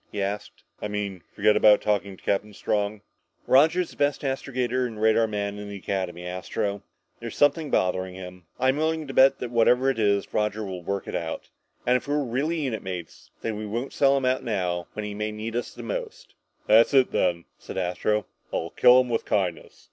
he asked. "I mean, forget about talking to Captain Strong?" "Roger's the best astrogator and radar man in the Academy, Astro. There's something bothering him. But I'm willing to bet that whatever it is, Roger will work it out. And if we're really unit mates, then we won't sell him out now, when he may need us most." "That's it, then," said Astro. "I'll kill him with kindness.